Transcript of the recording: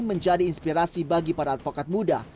menjadi inspirasi bagi para advokat muda